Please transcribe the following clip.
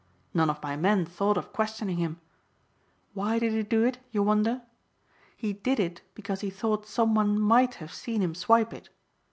None of my men thought of questioning him. Why did he do it you wonder. He did it because he thought some one might have seen him swipe it.